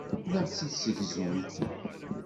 Ad ak-tt-id-ssegzunt.